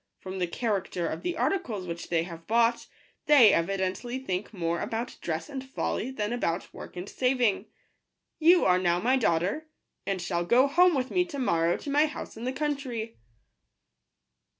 From the character of the articles which they have bought, they evidently think more about dress and folly than about work and saving. You are now my daughter, and shall go home with me to morrow to my house in the country."